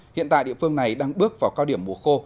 hiện tại địa phương này đang bước vào cao điểm mùa khô